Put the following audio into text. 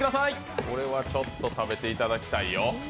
これはちょっと食べていただきたいよ。